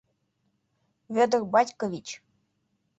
Вӧдыр Батькович!